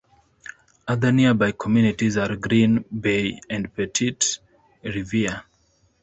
Other nearby communities are Green Bay and Petite Riviere.